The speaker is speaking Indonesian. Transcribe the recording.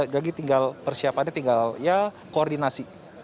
jadi tinggal persiapannya tinggal koordinasi